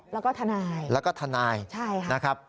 แล้วก็ทนายแล้วก็ทนายนะครับ